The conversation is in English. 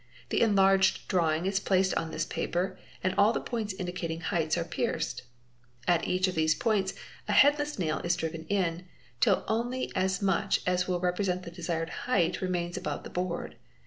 The enlarged drawing is placed on this paper and all the points ; indicating heights are pierced. At each of these points a headless nail is driven in, till only as much as will represent the desired height re mains above the board.